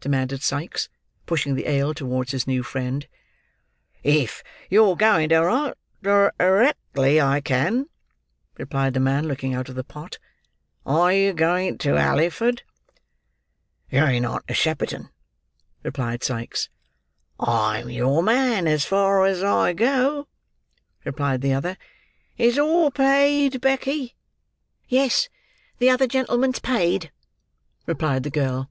demanded Sikes, pushing the ale towards his new friend. "If you're going directly, I can," replied the man, looking out of the pot. "Are you going to Halliford?" "Going on to Shepperton," replied Sikes. "I'm your man, as far as I go," replied the other. "Is all paid, Becky?" "Yes, the other gentleman's paid," replied the girl.